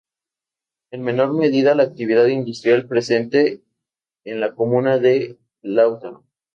En menor medida la actividad industrial presente en la comuna de Lautaro.